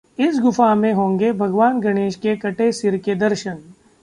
इस गुफा में होंगे भगवान गणेश के कटे सिर के दर्शन